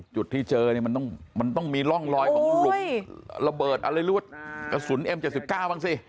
จุดที่เจอเนี่ยมันต้องมันต้องมีร่องลอยของรุมระเบิดอะไรเรียกว่ากระสุนเอ็มเจ็ดสิบเก้าบ้างสิ